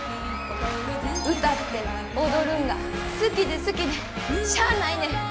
歌って踊るんが好きで好きでしゃあないねん。